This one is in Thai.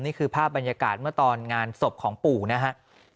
นี่คือภาพบรรยากาศเมื่อตอนงานศพของปู่นะครับ